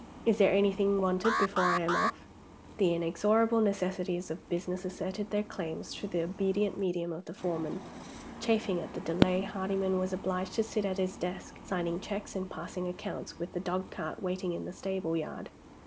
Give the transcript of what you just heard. Is there anything wanted before I am off?" The inexorable necessities of business asserted their claims through the obedient medium of the foreman. Chafing at the delay, Hardyman was obliged to sit at his desk, signing checks and passing accounts, with the dogcart waiting in the stable yard.